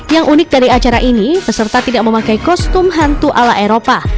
yang unik dari acara ini peserta tidak memakai kostum hantu ala eropa